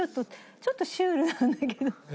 ちょっとシュールなんだけど。